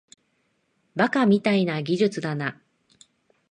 バカみたいな技術だな